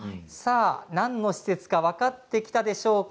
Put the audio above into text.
何の施設か分かってきたでしょうか。